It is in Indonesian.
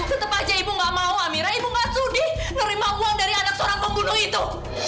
tetap aja ibu nggak mau amira ibu nggak sudi nerima uang dari anak seorang pembunuh itu